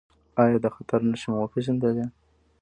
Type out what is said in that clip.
ایا د خطر نښې مو وپیژندلې؟